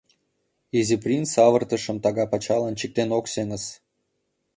Изи принц авыртышым тага пачалан чиктен ок сеҥыс!